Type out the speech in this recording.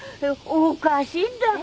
おかしいんだよ。